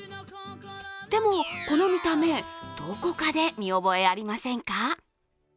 でもこの見た目どこかで見覚えありませんか？